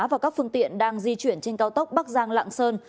và các phương tiện đang di chuyển trên cao tốc bắc giang lạng sơn